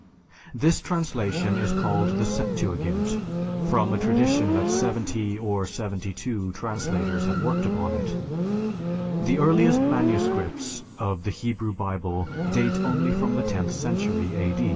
This translation is called the Septuagint, from a tradition that seventy or seventy two translators had worked upon it." (Salomon Reinach, "Orpheus.") The earliest manuscripts of the Hebrew Bible date only from the tenth century A.